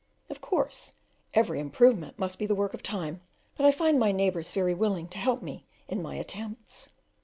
Of course every improvement must be the work of time, but I find my neighbours very willing to help me in my attempts.